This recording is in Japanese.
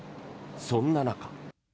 そんな中。